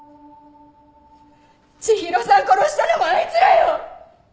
千尋さん殺したのもあいつらよ！